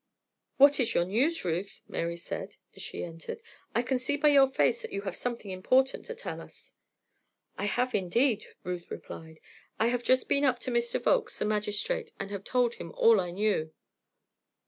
"What is your news, Ruth?" Mary said, as she entered. "I can see by your face that you have something important to tell us." "I have, indeed," Ruth replied. "I have just been up to Mr. Volkes, the magistrate, and have told him all I knew."